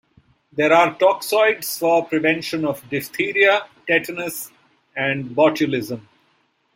There are toxoids for prevention of diphtheria, tetanus and botulism.